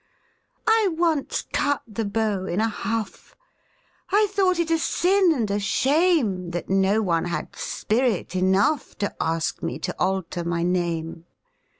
I once cut the beaux in a huff I thought it a sin and a shame That no one had spirit enough To ask me to alter my name.